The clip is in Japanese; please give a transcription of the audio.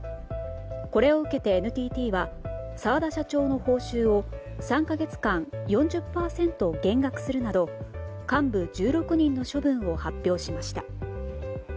これを受けて、ＮＴＴは澤田社長の報酬を３か月間４０％減額するなど幹部１６人の処分を発表しました。